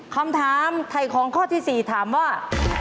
คำถามไถ่ของข้อที่๔ถามว่า